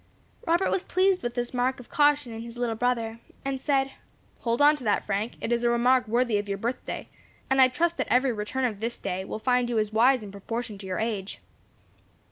Robert was pleased with this mark of caution in his little brother, and said, "Hold on to that, Frank, it is a remark worthy of your birthday, and I trust that every return of this day will find you as wise in proportion to your age."